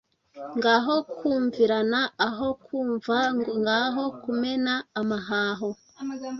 Ngaho kumvirana aho kumva, ngaho kumena amahaho,